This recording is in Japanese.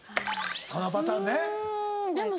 そのパターンね。